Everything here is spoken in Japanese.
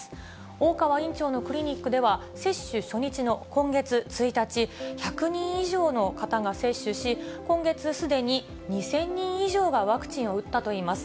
大川院長のクリニックでは、接種初日の今月１日、１００人以上の方が接種し、今月すでに２０００人以上がワクチンを打ったといいます。